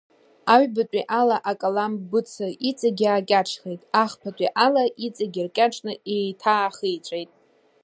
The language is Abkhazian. Аҩбатәи ала акалам быца иҵегь иаакьаҿхеит, ахԥатәи ала иҵегь иркьаҿны еиҭаахиҵәеит.